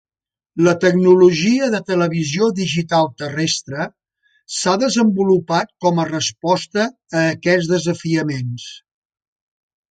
La tecnologia de televisió digital terrestre s'ha desenvolupat com a resposta a aquests desafiaments.